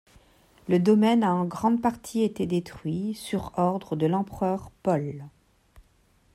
Le domaine a en grande partie été détruit sur ordre de l'empereur Paul.